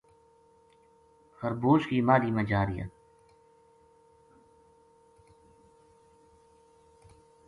خربوش کی ماہلی ما جا رہیا